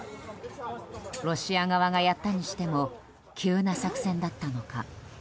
ロシア側がやったにしても急な作戦だったのか。